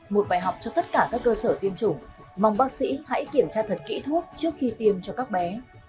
một bài học cho tất cả các cơ sở tiêm chủng mong bác sĩ hãy kiểm tra thật kỹ thuốc trước khi tiêm cho các bé